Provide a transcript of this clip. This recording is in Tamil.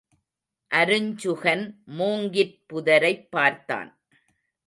அருஞ்சுகன் மூங்கிற் புதரைப் பார்த்தான்.